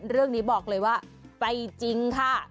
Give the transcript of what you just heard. เรื่องนี้บอกเลยว่าไปจริงค่ะ